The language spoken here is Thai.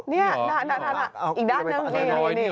นี่อีกด้านหนึ่งนี่